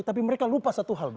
tapi mereka lupa satu hal